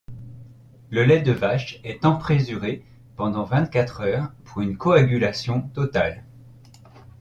Le lait de vache est emprésuré durant vingt-quatre heures pour une coagulation totale.